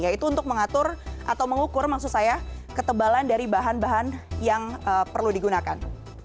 yaitu untuk mengatur atau mengukur maksud saya ketebalan dari bahan bahan yang perlu digunakan